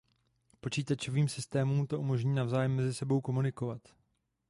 Počítačovým systémům to umožní navzájem mezi sebou komunikovat.